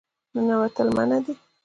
ننوتل منع دي